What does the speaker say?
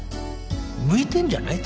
向いてんじゃない？